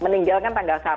meninggalkan tanggal satu